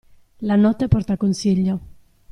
La notte porta consiglio.